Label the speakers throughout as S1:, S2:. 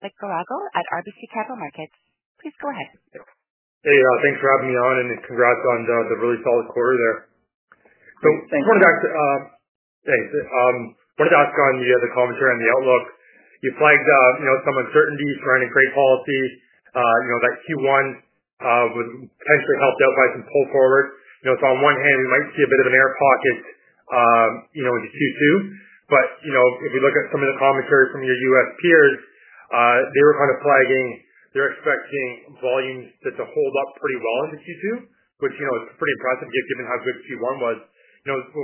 S1: Nick Garago at RBC Capital Markets. Please go ahead.
S2: Hey, thanks for having me on, and congrats on the really solid quarter there.
S1: Thank you.
S2: I wanted to ask on the commentary on the outlook. You flagged some uncertainties surrounding trade policy, that Q1 was potentially helped out by some pull forward. On one hand, we might see a bit of an air pocket in Q2, but if we look at some of the commentary from your U.S. peers, they were kind of flagging they're expecting volumes to hold up pretty well into Q2, which is pretty impressive given how good Q1 was.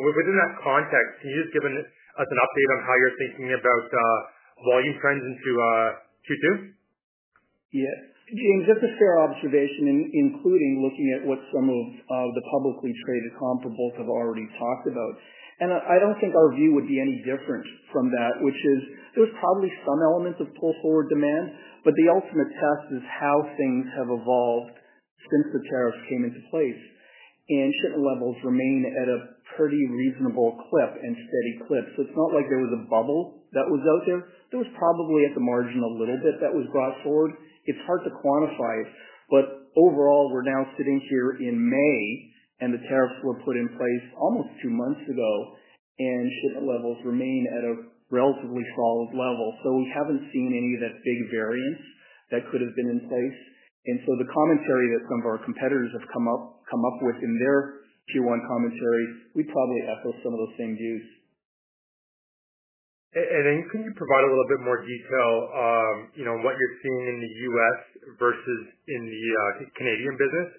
S2: Within that context, can you just give us an update on how you're thinking about volume trends into Q2?
S3: Yeah. Nick, that's a fair observation, including looking at what some of the publicly traded comparables have already talked about. I don't think our view would be any different from that, which is there's probably some elements of pull forward demand, but the ultimate test is how things have evolved since the tariffs came into place. Shipment levels remain at a pretty reasonable clip and steady clip. It's not like there was a bubble that was out there. There was probably at the margin a little bit that was brought forward. It's hard to quantify it, but overall, we're now sitting here in May, and the tariffs were put in place almost two months ago, and shipment levels remain at a relatively solid level. We haven't seen any of that big variance that could have been in place. The commentary that some of our competitors have come up with in their Q1 commentary, we probably echo some of those same views.
S2: Can you provide a little bit more detail on what you're seeing in the US versus in the Canadian business,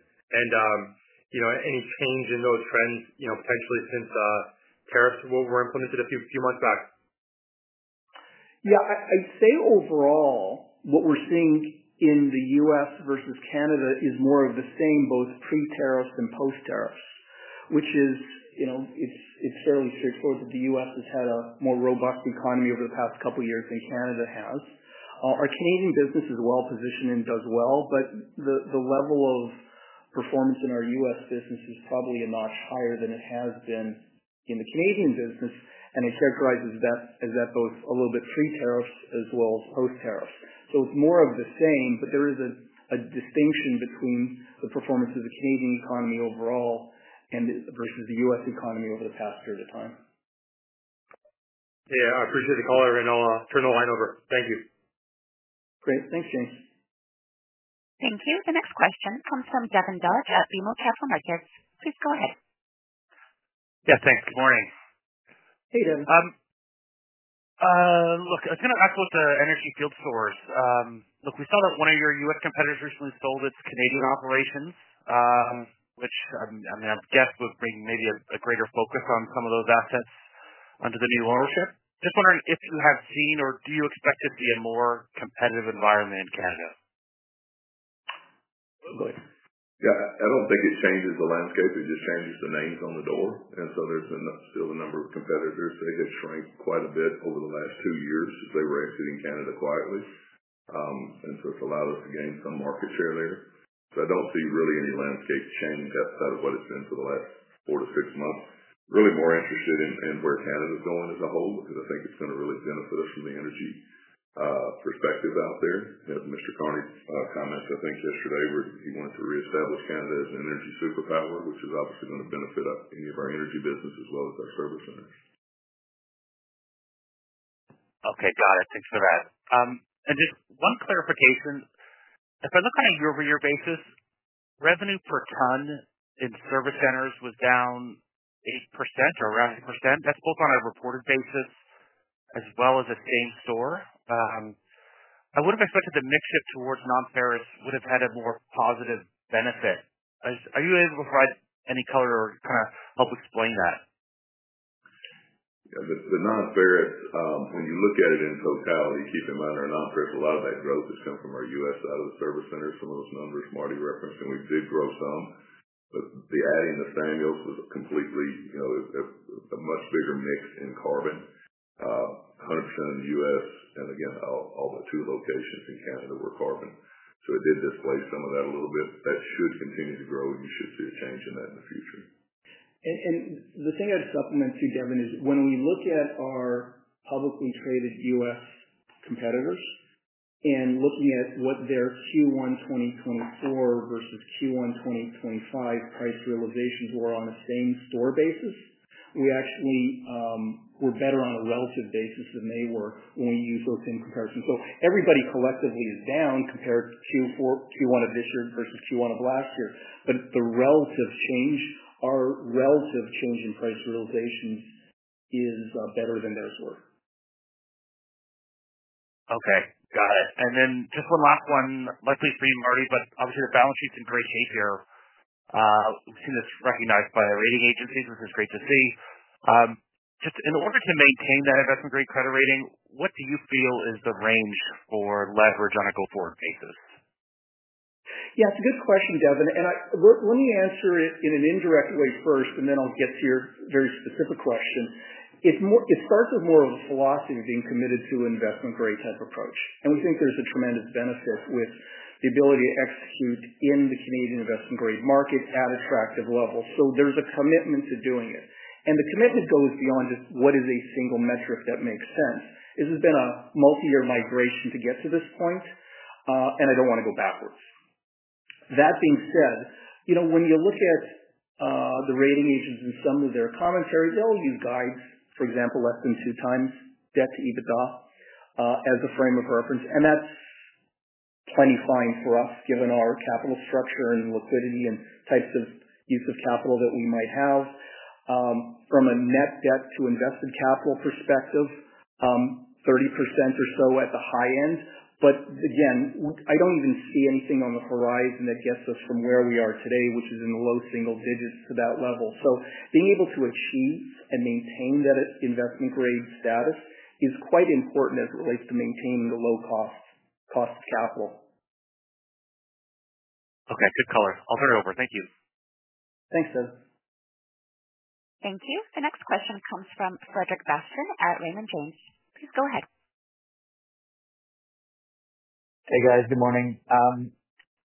S2: and any change in those trends potentially since tariffs were implemented a few months back?
S3: Yeah. I'd say overall, what we're seeing in the U.S. versus Canada is more of the same, both pre-tariffs and post-tariffs, which is it's fairly straightforward that the U.S. has had a more robust economy over the past couple of years than Canada has. Our Canadian business is well positioned and does well, but the level of performance in our U.S. business is probably a notch higher than it has been in the Canadian business, and it characterizes that as both a little bit pre-tariffs as well as post-tariffs. It is more of the same, but there is a distinction between the performance of the Canadian economy overall versus the U.S. economy over the past period of time.
S2: Yeah. I appreciate the call, Martin. I'll turn the line over. Thank you.
S3: Great. Thanks, James.
S1: Thank you. The next question comes from Devin Dodge at BMO Capital Markets. Please go ahead.
S4: Yeah. Thanks. Good morning.
S3: Hey, Devin.
S4: Look, I was going to ask what the energy field stores. Look, we saw that one of your US competitors recently sold its Canadian operations, which I guess would bring maybe a greater focus on some of those assets under the new ownership. Just wondering if you have seen or do you expect to see a more competitive environment in Canada?
S3: Absolutely.
S5: Yeah. I don't think it changes the landscape. It just changes the names on the door. There are still a number of competitors that have shrank quite a bit over the last two years since they were exiting Canada quietly. It has allowed us to gain some market share there. I don't see really any landscape change outside of what it's been for the last four to six months. I am really more interested in where Canada is going as a whole because I think it is going to really benefit us from the energy perspective out there. Mr. Carney's comments, I think, yesterday, where he wanted to reestablish Canada as an energy superpower, which is obviously going to benefit any of our energy business as well as our service centers.
S4: Okay. Got it. Thanks for that. Just one clarification. If I look on a year-over-year basis, revenue per ton in service centers was down 8% or around 8%. That is both on a reported basis as well as a same store. I would have expected the mixture towards non-ferrous would have had a more positive benefit. Are you able to provide any color or kind of help explain that?
S5: Yeah. The non-ferrous, when you look at it in totality, keep in mind our non-ferrous, a lot of that growth has come from our US side of the service centers. Some of those numbers Marty referenced, and we did grow some. The adding of Samuel was completely a much bigger mix in carbon. 100% of the U.S., and again, all but two locations in Canada were carbon. It did displace some of that a little bit. That should continue to grow, and you should see a change in that in the future.
S3: The thing I'd supplement too, Devin, is when we look at our publicly traded US competitors and looking at what their Q1 2024 versus Q1 2025 price realizations were on the same store basis, we actually were better on a relative basis than they were when we used those same comparisons. Everybody collectively is down compared to Q1 of this year versus Q1 of last year. The relative change, our relative change in price realizations is better than theirs were.
S4: Okay. Got it. Just one last one, likely for you, Martin, but obviously, the balance sheet's in great shape here. We've seen this recognized by rating agencies. This is great to see. Just in order to maintain that investment-grade credit rating, what do you feel is the range for leverage on a go-forward basis?
S3: Yeah. It's a good question, Devin. Let me answer it in an indirect way first, and then I'll get to your very specific question. It starts with more of a philosophy of being committed to an investment-grade type approach. We think there's a tremendous benefit with the ability to execute in the Canadian investment-grade market at attractive levels. There's a commitment to doing it. The commitment goes beyond just what is a single metric that makes sense. This has been a multi-year migration to get to this point, and I don't want to go backwards. That being said, when you look at the rating agents and some of their commentary, they'll use guides, for example, less than two times debt to EBITDA as a frame of reference. That's plenty fine for us, given our capital structure and liquidity and types of use of capital that we might have. From a net debt to invested capital perspective, 30% or so at the high end. I don't even see anything on the horizon that gets us from where we are today, which is in the low single digits to that level. Being able to achieve and maintain that investment-grade status is quite important as it relates to maintaining the low cost of capital.
S4: Okay. Good color. I'll turn it over. Thank you.
S3: Thanks, Devin.
S1: Thank you. The next question comes from Frederic Bastien at Raymond James. Please go ahead.
S6: Hey, guys. Good morning.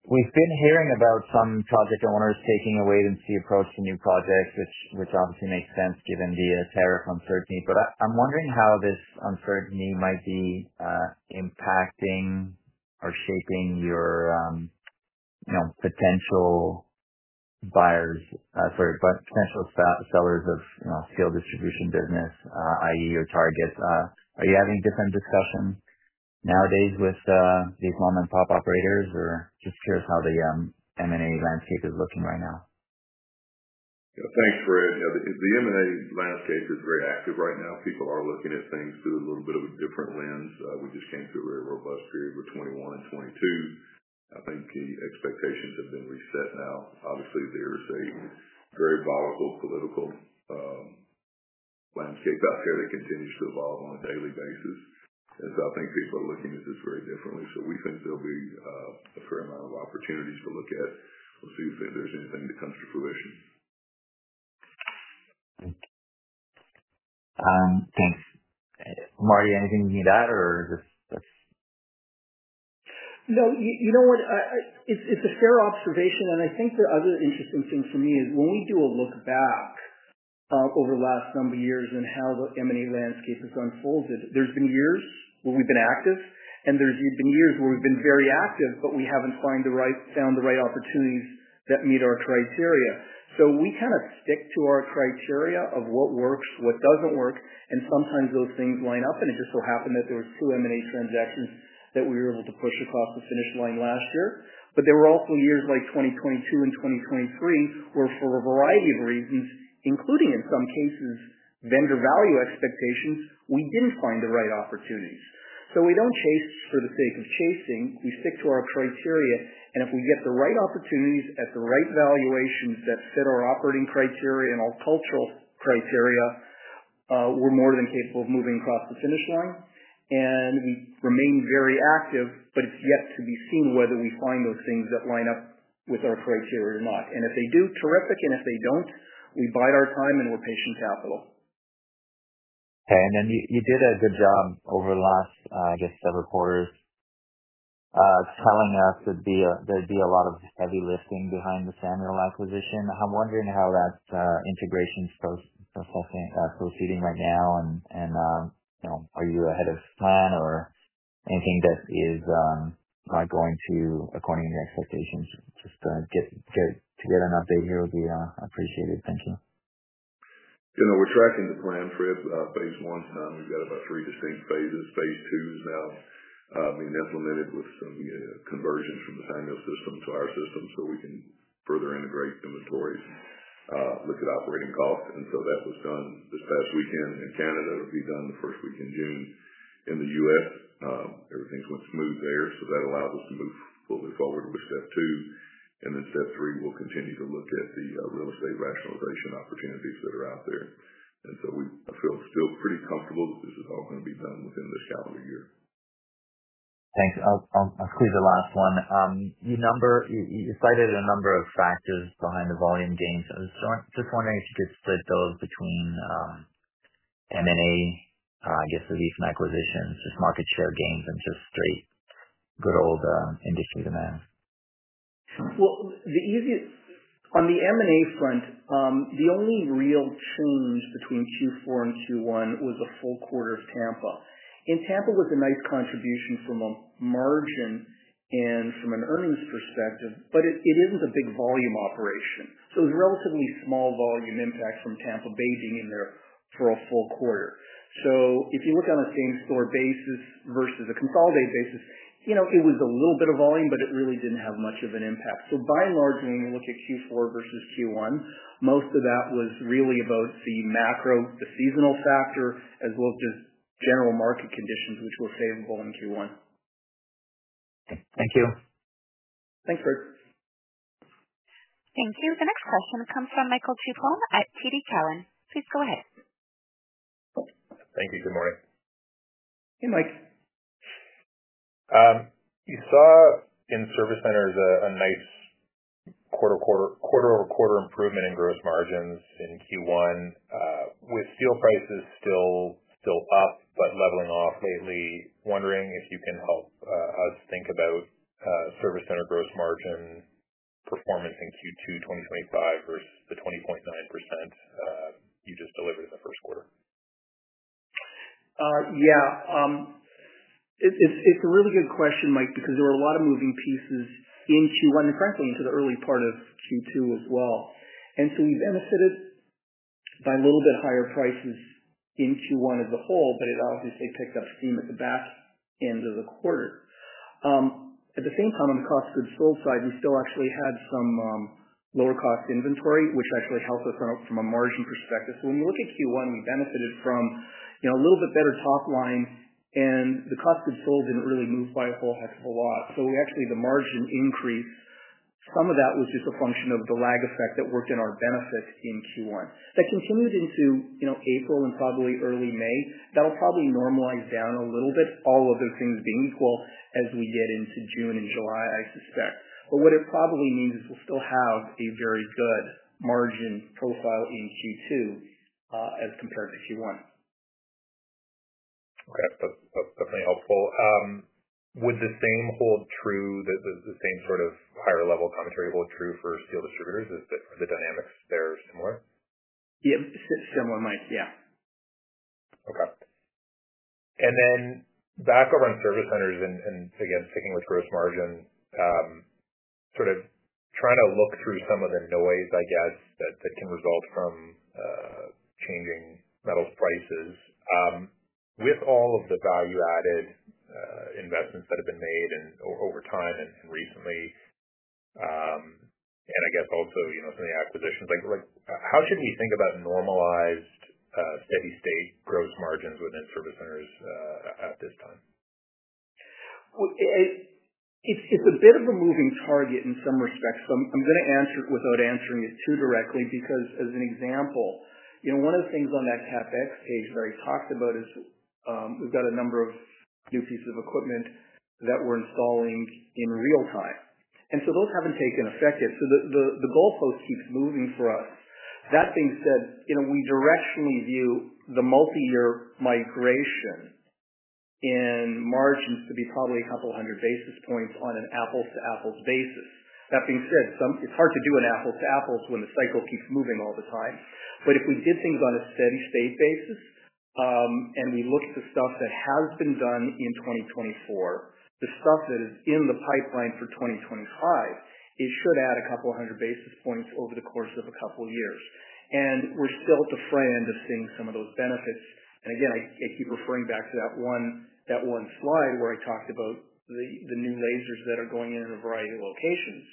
S6: We've been hearing about some project owners taking a wait-and-see approach to new projects, which obviously makes sense given the tariff uncertainty. I am wondering how this uncertainty might be impacting or shaping your potential buyers—sorry, potential sellers of steel distribution business, i.e., your targets. Are you having different discussions nowadays with these mom-and-pop operators? I am just curious how the M&A landscape is looking right now.
S5: Yeah. Thanks, Fredric. The M&A landscape is very active right now. People are looking at things through a little bit of a different lens. We just came through a very robust period with 2021 and 2022. I think the expectations have been reset now. Obviously, there is a very volatile political landscape out there that continues to evolve on a daily basis. I think people are looking at this very differently. We think there will be a fair amount of opportunities to look at. We'll see if there is anything that comes to fruition.
S6: Thanks. Martin, anything you need to add, or is this—
S3: No. You know what? It's a fair observation. I think the other interesting thing for me is when we do a look back over the last number of years and how the M&A landscape has unfolded, there's been years where we've been active, and there's been years where we've been very active, but we haven't found the right opportunities that meet our criteria. We kind of stick to our criteria of what works, what doesn't work, and sometimes those things line up. It just so happened that there were two M&A transactions that we were able to push across the finish line last year. There were also years like 2022 and 2023 where, for a variety of reasons, including in some cases, vendor value expectations, we didn't find the right opportunities. We don't chase for the sake of chasing. We stick to our criteria. If we get the right opportunities at the right valuations that fit our operating criteria and our cultural criteria, we're more than capable of moving across the finish line. We remain very active, but it's yet to be seen whether we find those things that line up with our criteria or not. If they do, terrific. If they don't, we bide our time, and we're patient capital.
S6: Okay. You did a good job over the last, I guess, several quarters telling us there would be a lot of heavy lifting behind the Samuel acquisition. I am wondering how that integration is proceeding right now, and are you ahead of plan or anything that is going to, according to your expectations, just to get an update here would be appreciated. Thank you.
S5: We're tracking the plan for phase one's done. We've got about three distinct phases. Phase two is now being implemented with some conversions from the Samuel system to our system so we can further integrate inventories, look at operating costs. That was done this past weekend in Canada. It'll be done the first week in June. In the U.S., everything's went smooth there. That allows us to move fully forward with step two. Step three, we'll continue to look at the real estate rationalization opportunities that are out there. We feel still pretty comfortable that this is all going to be done within this calendar year.
S6: Thanks. I'll squeeze the last one. You cited a number of factors behind the volume gains. I was just wondering if you could split those between M&A, I guess, the recent acquisitions, just market share gains, and just straight good old industry demand.
S3: On the M&A front, the only real change between Q4 and Q1 was a full quarter of Tampa. Tampa was a nice contribution from a margin and from an earnings perspective, but it is not a big volume operation. It was a relatively small volume impact from Tampa Bay being in there for a full quarter. If you look on a same store basis versus a consolidated basis, it was a little bit of volume, but it really did not have much of an impact. By and large, when we look at Q4 versus Q1, most of that was really about the macro, the seasonal factor, as well as just general market conditions, which were favorable in Q1.
S6: Thank you.
S3: Thanks, Fredric.
S1: Thank you. The next question comes from Michael Tupholme at TD Cowen. Please go ahead.
S7: Thank you. Good morning.
S3: Hey, Michael.
S7: You saw in service centers a nice quarter-over-quarter improvement in gross margins in Q1 with steel prices still up but leveling off lately. Wondering if you can help us think about service center gross margin performance in Q2 2025 versus the 20.9% you just delivered in the first quarter.
S3: Yeah. It's a really good question, Michael, because there were a lot of moving pieces in Q1 and frankly into the early part of Q2 as well. We benefited by a little bit higher prices in Q1 as a whole, but it obviously picked up steam at the back end of the quarter. At the same time, on the cost of goods sold side, we still actually had some lower cost inventory, which actually helped us from a margin perspective. When we look at Q1, we benefited from a little bit better top line, and the cost of goods sold did not really move by a whole heck of a lot. Actually, the margin increased, some of that was just a function of the lag effect that worked in our benefit in Q1. That continued into April and probably early May. That'll probably normalize down a little bit, all other things being equal, as we get into June and July, I suspect. What it probably means is we'll still have a very good margin profile in Q2 as compared to Q1.
S7: Okay. That's definitely helpful. Would the same hold true? Does the same sort of higher-level commentary hold true for steel distributors? Is the dynamics there similar?
S3: Yeah. Similar, Michael. Yeah.
S7: Okay. Then back over on service centers and, again, sticking with gross margin, sort of trying to look through some of the noise, I guess, that can result from changing metals prices. With all of the value-added investments that have been made over time and recently, and I guess also some of the acquisitions, how should we think about normalized steady-state gross margins within service centers at this time?
S3: It's a bit of a moving target in some respects. I'm going to answer it without answering it too directly because, as an example, one of the things on that CapEx page that I talked about is we've got a number of new pieces of equipment that we're installing in real time. Those have not taken effect yet. The goalpost keeps moving for us. That being said, we directionally view the multi-year migration in margins to be probably a couple hundred basis points on an apples-to-apples basis. That being said, it's hard to do an apples-to-apples when the cycle keeps moving all the time. If we did things on a steady-state basis and we looked at the stuff that has been done in 2024, the stuff that is in the pipeline for 2025, it should add a couple hundred basis points over the course of a couple of years. We're still at the front end of seeing some of those benefits. I keep referring back to that one slide where I talked about the new lasers that are going in in a variety of locations.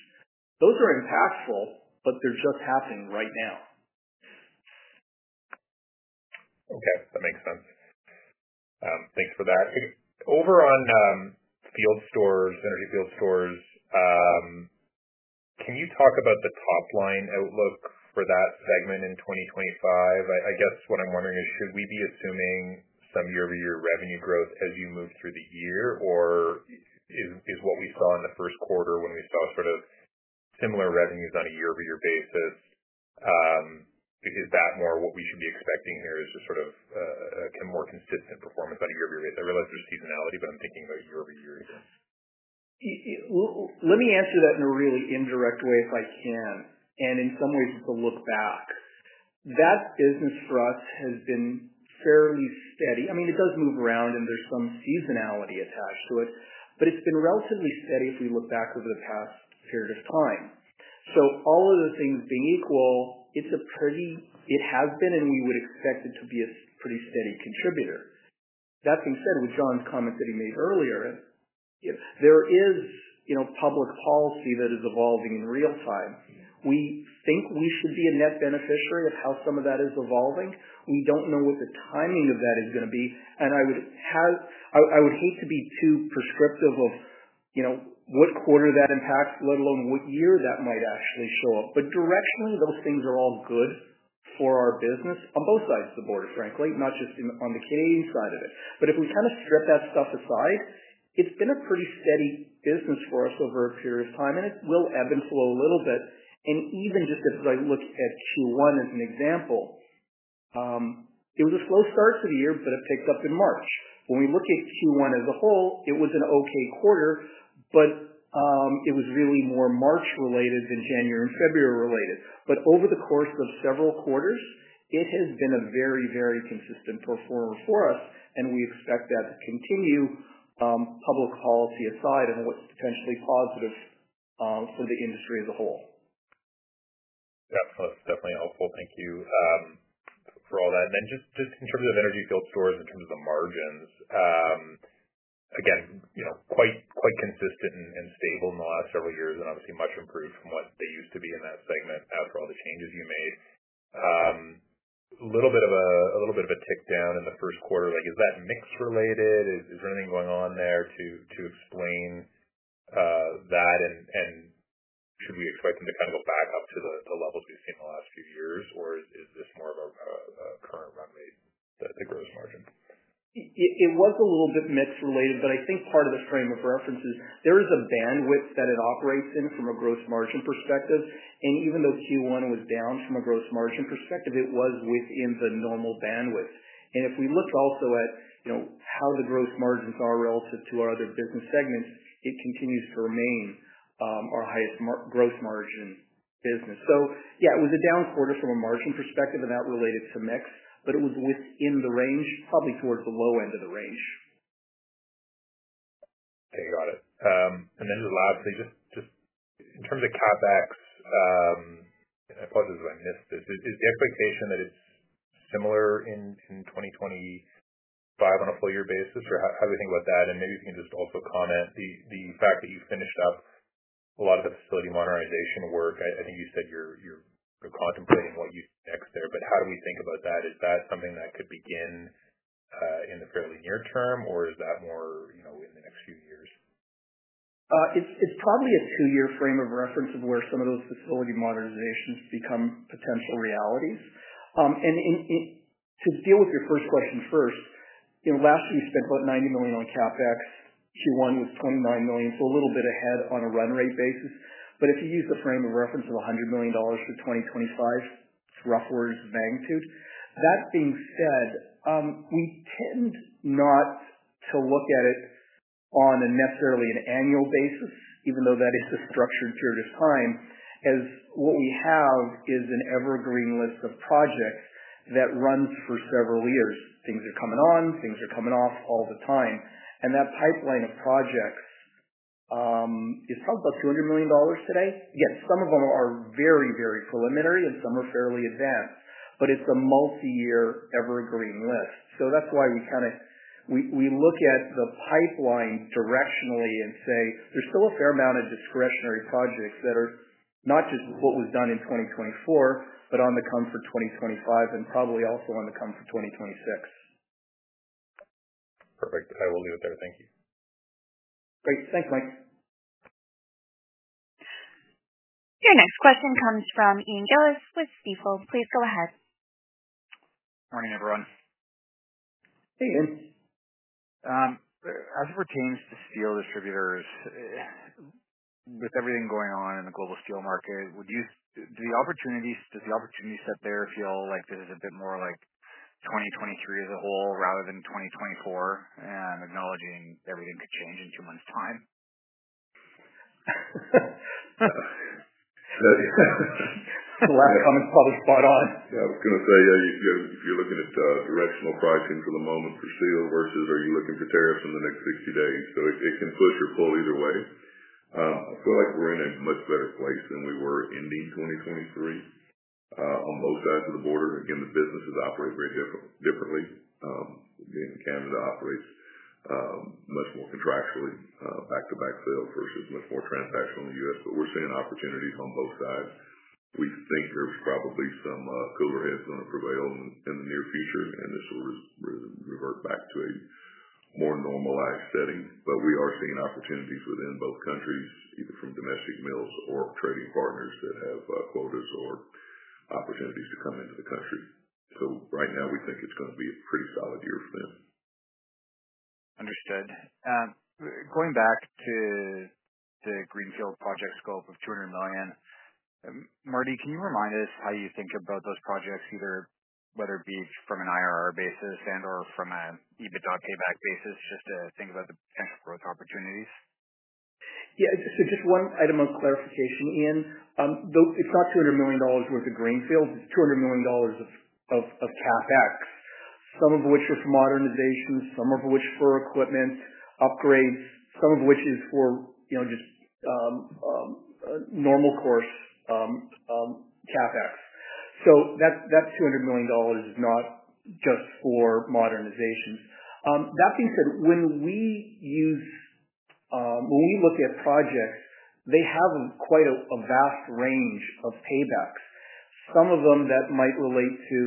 S3: Those are impactful, but they're just happening right now.
S7: Okay. That makes sense. Thanks for that. Over on energy field stores, can you talk about the top-line outlook for that segment in 2025? I guess what I'm wondering is, should we be assuming some year-over-year revenue growth as you move through the year? Or is what we saw in the first quarter when we saw sort of similar revenues on a year-over-year basis, is that more what we should be expecting here, just sort of a more consistent performance on a year-over-year basis? I realize there's seasonality, but I'm thinking about year-over-year here.
S3: Let me answer that in a really indirect way if I can. In some ways, it's a look back. That business for us has been fairly steady. I mean, it does move around, and there's some seasonality attached to it, but it's been relatively steady if we look back over the past period of time. All of the things being equal, it has been, and we would expect it to be a pretty steady contributor. That being said, with John's comment that he made earlier, there is public policy that is evolving in real time. We think we should be a net beneficiary of how some of that is evolving. We do not know what the timing of that is going to be. I would hate to be too prescriptive of what quarter that impacts, let alone what year that might actually show up. Directionally, those things are all good for our business on both sides of the border, frankly, not just on the Canadian side of it. If we kind of strip that stuff aside, it has been a pretty steady business for us over a period of time, and it will ebb and flow a little bit. Even just as I look at Q1 as an example, it was a slow start to the year, but it picked up in March. When we look at Q1 as a whole, it was an okay quarter, but it was really more March-related than January and February-related. Over the course of several quarters, it has been a very, very consistent performer for us, and we expect that to continue, public policy aside, and what is potentially positive for the industry as a whole.
S7: Yeah. That's definitely helpful. Thank you for all that. And then just in terms of energy field stores, in terms of the margins, again, quite consistent and stable in the last several years, and obviously much improved from what they used to be in that segment after all the changes you made. A little bit of a tick down in the first quarter. Is that mix-related? Is there anything going on there to explain that? And should we expect them to kind of go back up to the levels we've seen in the last few years? Or is this more of a current run rate, the gross margin?
S3: It was a little bit mix-related, but I think part of the frame of reference is there is a bandwidth that it operates in from a gross margin perspective. Even though Q1 was down from a gross margin perspective, it was within the normal bandwidth. If we look also at how the gross margins are relative to our other business segments, it continues to remain our highest gross margin business. Yeah, it was a down quarter from a margin perspective, and that related to mix, but it was within the range, probably towards the low end of the range.
S7: Okay. Got it. Lastly, just in terms of CapEx, and I apologize if I missed this, is the expectation that it's similar in 2025 on a full-year basis? How do we think about that? Maybe if you can just also comment, the fact that you finished up a lot of the facility modernization work, I think you said you're contemplating what you do next there, but how do we think about that? Is that something that could begin in the fairly near term, or is that more in the next few years?
S3: It's probably a two-year frame of reference of where some of those facility modernizations become potential realities. To deal with your first question first, last year, we spent about $90 million on CapEx. Q1 was $29 million, so a little bit ahead on a run rate basis. If you use the frame of reference of $100 million for 2025, it's rough words of magnitude. That being said, we tend not to look at it on necessarily an annual basis, even though that is a structured period of time, as what we have is an evergreen list of projects that runs for several years. Things are coming on. Things are coming off all the time. That pipeline of projects is probably about $200 million today. Again, some of them are very, very preliminary, and some are fairly advanced. It is a multi-year evergreen list. That's why we look at the pipeline directionally and say there's still a fair amount of discretionary projects that are not just what was done in 2024, but on the come for 2025 and probably also on the come for 2026.
S7: Perfect. I will leave it there. Thank you.
S3: Great. Thanks, Michael.
S1: Your next question comes from Ian Brooks Gillies with Stifel. Please go ahead.
S8: Morning, everyone.
S3: Hey, Ian.
S8: As it pertains to steel distributors, with everything going on in the global steel market, do the opportunities set there feel like this is a bit more like 2023 as a whole rather than 2024? Acknowledging everything could change in two months' time.
S3: The last comment's probably spot on.
S5: Yeah. I was going to say, if you're looking at directional pricing for the moment for steel versus are you looking for tariffs in the next 60 days? It can push or pull either way. I feel like we're in a much better place than we were in 2023 on both sides of the border. Again, the businesses operate very differently. Canada operates much more contractually, back-to-back sales versus much more transactional in the U.S. We are seeing opportunities on both sides. We think there's probably some cooler heads going to prevail in the near future, and this will revert back to a more normalized setting. We are seeing opportunities within both countries, either from domestic mills or trading partners that have quotas or opportunities to come into the country. Right now, we think it's going to be a pretty solid year for them.
S8: Understood. Going back to the Greenfield project scope of $200 million, Martin, can you remind us how you think about those projects, either whether it be from an IRR basis and/or from an EBITDA payback basis, just to think about the potential growth opportunities?
S3: Yeah. Just one item of clarification, Ian. It's not $200 million worth of Greenfield. It's $200 million of CapEx, some of which is for modernization, some of which for equipment upgrades, some of which is for just normal course CapEx. That $200 million is not just for modernization. That being said, when we look at projects, they have quite a vast range of paybacks. Some of them that might relate to,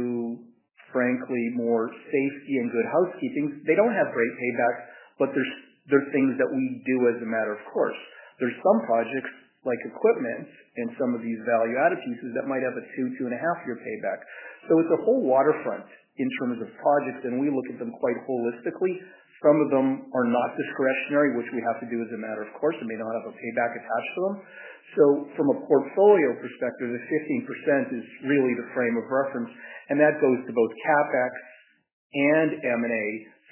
S3: frankly, more safety and good housekeeping. They do not have great paybacks, but there are things that we do as a matter of course. There are some projects like equipment and some of these value-added pieces that might have a two, two-and-a-half-year payback. It's a whole waterfront in terms of projects, and we look at them quite holistically. Some of them are not discretionary, which we have to do as a matter of course. They may not have a payback attached to them. From a portfolio perspective, the 15% is really the frame of reference. That goes to both CapEx and M&A.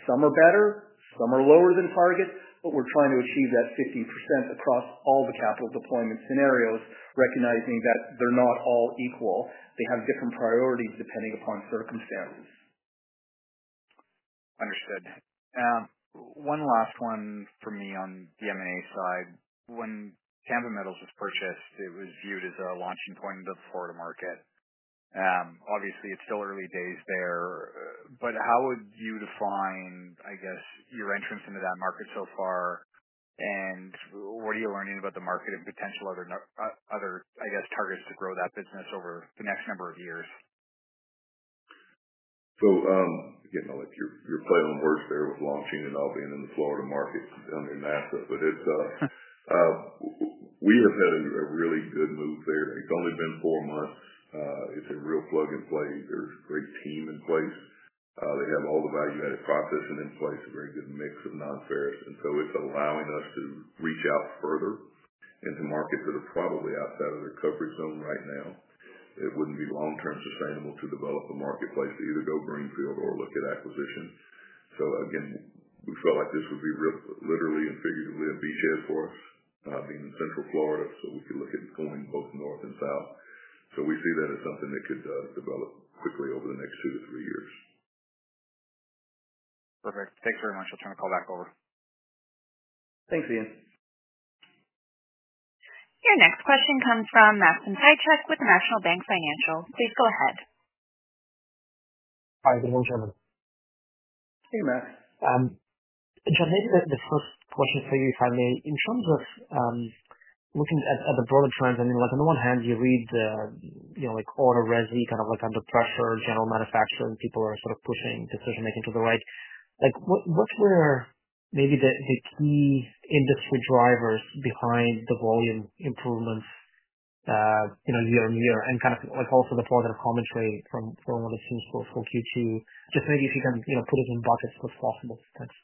S3: Some are better. Some are lower than target, but we're trying to achieve that 15% across all the capital deployment scenarios, recognizing that they're not all equal. They have different priorities depending upon circumstances.
S8: Understood. One last one for me on the M&A side. When Tampa Steel & Supply was purchased, it was viewed as a launching point into the Florida market. Obviously, it's still early days there. How would you define, I guess, your entrance into that market so far? What are you learning about the market and potential other, I guess, targets to grow that business over the next number of years?
S5: Again, you're playing on words there with launching and all being in the Florida market and NASA. We have had a really good move there. It's only been four months. It's a real plug-and-play. There's a great team in place. They have all the value-added processing in place, a very good mix of non-ferrous. It's allowing us to reach out further into markets that are probably outside of their coverage zone right now. It wouldn't be long-term sustainable to develop a marketplace to either go Greenfield or look at acquisition. We felt like this would be literally and figuratively a beachhead for us, being in central Florida, so we could look at going both north and south. We see that as something that could develop quickly over the next two to three years.
S8: Perfect. Thanks very much. I'll turn the call back over.
S3: Thanks, Ian.
S1: Your next question comes from Maxim Sytchev with National Bank Financial. Please go ahead.
S9: Hi, good afternoon, gentlemen. Hey, Maxim. John, maybe the first question for you, if I may, in terms of looking at the broader trends, I mean, on the one hand, you read auto resi kind of under pressure, general manufacturing, people are sort of pushing decision-making to the right. What were maybe the key industry drivers behind the volume improvements year-on-year? And kind of also the positive commentary from what it seems for Q2. Just maybe if you can put it in buckets if possible. Thanks.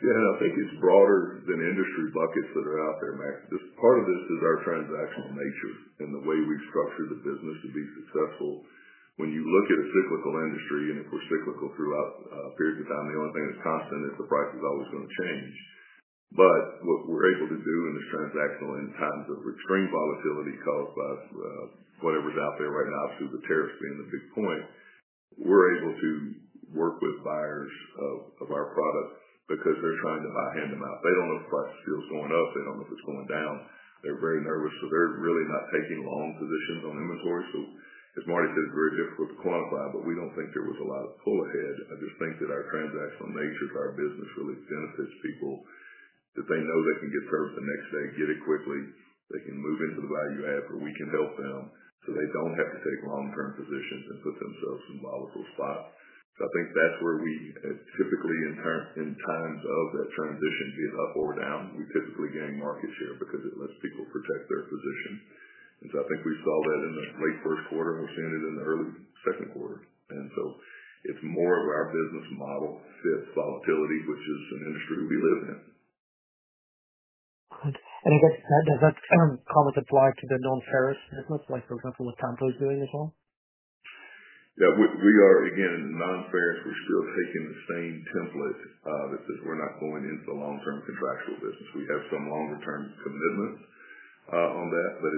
S5: Yeah. I think it's broader than industry buckets that are out there, Maxim. Just part of this is our transactional nature and the way we've structured the business to be successful. When you look at a cyclical industry, and if we're cyclical throughout periods of time, the only thing that's constant is the price is always going to change. What we're able to do in this transactional in times of extreme volatility caused by whatever's out there right now, obviously with the tariffs being the big point, we're able to work with buyers of our product because they're trying to buy hand-to-mouth. They don't know if the price of steel is going up. They don't know if it's going down. They're very nervous. They are really not taking long positions on inventory. As Martin said, it's very difficult to quantify, but we don't think there was a lot of pull ahead. I just think that our transactional nature to our business really benefits people, that they know they can get served the next day, get it quickly, they can move into the value add, or we can help them. They don't have to take long-term positions and put themselves in volatile spots. I think that's where we typically, in times of that transition, be it up or down, we typically gain market share because it lets people protect their position. I think we saw that in the late first quarter, and we're seeing it in the early second quarter. It's more of our business model fits volatility, which is an industry we live in.
S9: Good. I guess does that kind of comment apply to the non-ferrous business, like for example, what Tampa is doing as well?
S5: Yeah. We are, again, non-ferrous. We're still taking the same template that says we're not going into the long-term contractual business. We have some longer-term commitments on that, but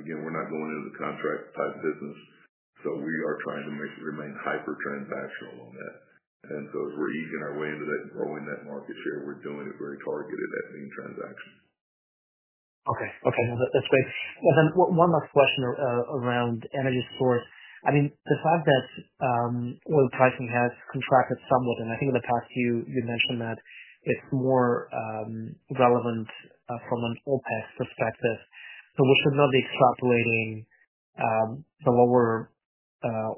S5: again, we're not going into the contract-type business. We are trying to remain hyper-transactional on that. As we're eeking our way into that and growing that market share, we're doing it very targeted at lean transaction.
S9: Okay. Okay. That's great. And then one last question around energy stores. I mean, the fact that oil pricing has contracted somewhat, and I think in the past few you mentioned that it's more relevant from an OpEx perspective. So we should not be extrapolating the lower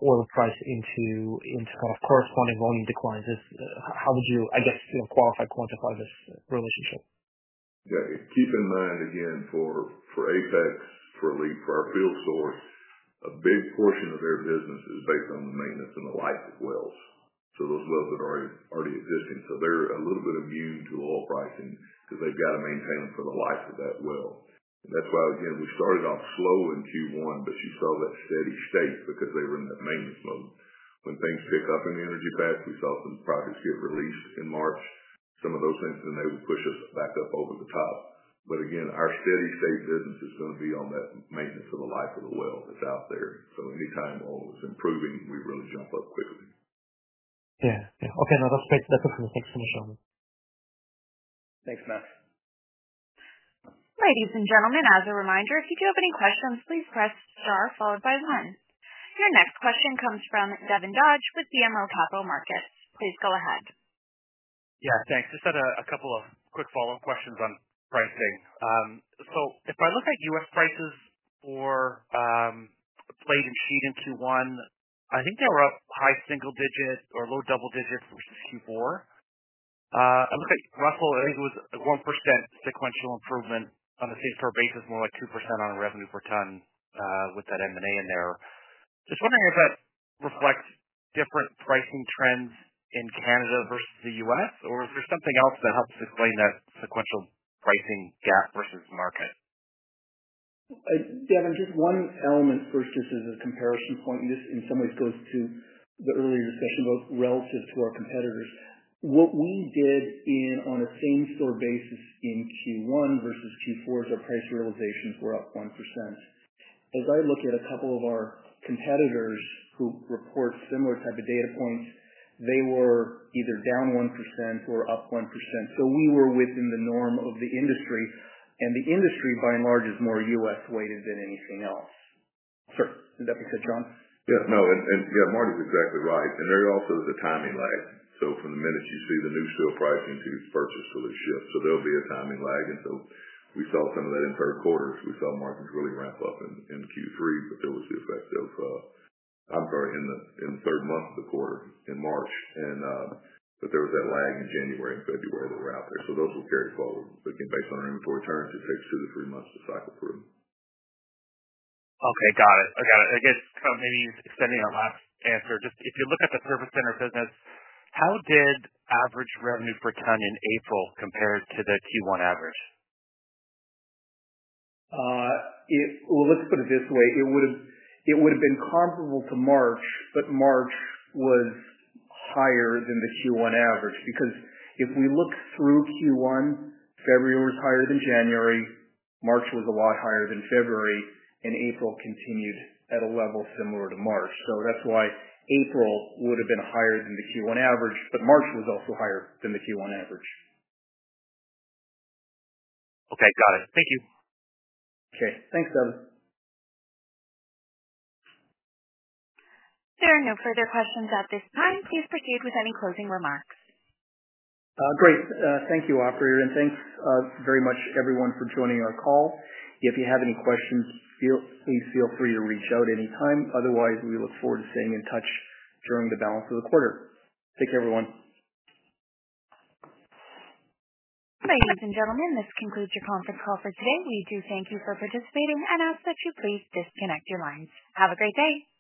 S9: oil price into kind of corresponding volume declines. How would you, I guess, qualify quantify this relationship?
S5: Yeah. Keep in mind, again, for Apex, for Leap, for our field source, a big portion of their business is based on the maintenance and the life of wells. So those wells that are already existing. They are a little bit immune to oil pricing because they have to maintain them for the life of that well. That is why, again, we started off slow in Q1, but you saw that steady state because they were in that maintenance mode. When things pick up in the energy pack, we saw some projects get released in March, some of those things, and they would push us back up over the top. Again, our steady state business is going to be on that maintenance of the life of the well that is out there. Anytime oil is improving, we really jump up quickly.
S9: Yeah. Yeah. Okay. No, that's great. That's excellent. Thanks so much, John.
S5: Thanks, Maxim.
S1: Ladies and gentlemen, as a reminder, if you do have any questions, please press star followed by one. Your next question comes from Devin Dodge with BMO Capital Markets. Please go ahead.
S4: Yeah. Thanks. Just had a couple of quick follow-up questions on pricing. If I look at US prices for plate and sheet in Q1, I think they were up high single digit or low double digit versus Q4. I look at Russel, I think it was 1% sequential improvement on a same-store basis, more like 2% on a revenue per ton with that M&A in there. Just wondering if that reflects different pricing trends in Canada versus the U.S., or is there something else that helps explain that sequential pricing gap versus market?
S3: Devin, just one element first just as a comparison point. This in some ways goes to the earlier discussion about relative to our competitors. What we did on a same-store basis in Q1 versus Q4 is our price realizations were up 1%. As I look at a couple of our competitors who report similar type of data points, they were either down 1% or up 1%. We were within the norm of the industry. The industry, by and large, is more U.S.-weighted than anything else. Sorry. Did that make sense, John?
S5: Yeah. No. Yeah, Marty's exactly right. There also is a timing lag. From the minute you see the new steel pricing to its purchase delivery shift, there will be a timing lag. We saw some of that in third quarter. We saw markets really ramp up in Q3, but there was the effect of—I'm sorry—in the third month of the quarter in March. There was that lag in January and February that were out there. Those were carried forward. Again, based on our inventory turns, it takes two to three months to cycle through.
S4: Okay. Got it. I got it. I guess maybe extending that last answer, just if you look at the service center business, how did average revenue per ton in April compare to the Q1 average?
S3: Let's put it this way. It would have been comparable to March, but March was higher than the Q1 average because if we look through Q1, February was higher than January. March was a lot higher than February, and April continued at a level similar to March. That is why April would have been higher than the Q1 average, but March was also higher than the Q1 average.
S4: Okay. Got it. Thank you.
S3: Okay. Thanks, Devin.
S1: There are no further questions at this time. Please proceed with any closing remarks.
S3: Great. Thank you, Aubrey. Thank you very much, everyone, for joining our call. If you have any questions, please feel free to reach out anytime. Otherwise, we look forward to staying in touch during the balance of the quarter. Take care, everyone.
S1: Ladies and gentlemen, this concludes your conference call for today. We do thank you for participating and ask that you please disconnect your lines. Have a great day.